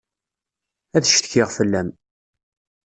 Ad ccetkiɣ fell-am.